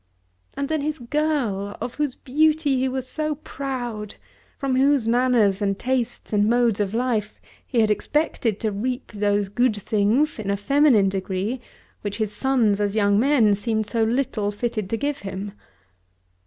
And then his girl, of whose beauty he was so proud, from whose manners, and tastes, and modes of life he had expected to reap those good things, in a feminine degree, which his sons as young men seemed so little fitted to give him!